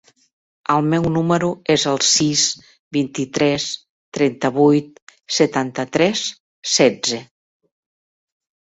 El meu número es el sis, vint-i-tres, trenta-vuit, setanta-tres, setze.